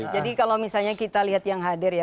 kalau misalnya kita lihat yang hadir ya